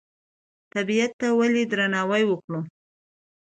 طبیعت ته ولې درناوی وکړو؟